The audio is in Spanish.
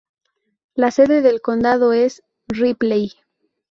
La sede del condado es Ripley.